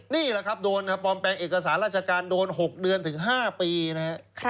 นี่แหละครับโดนครับปลอมแปลงเอกสารราชการโดน๖เดือนถึง๕ปีนะครับ